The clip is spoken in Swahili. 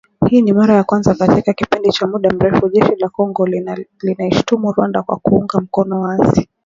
Hii ni mara ya kwanza katika kipindi cha muda mrefu, Jeshi la Kongo linaishutumu Rwanda kwa kuunga mkono waasi.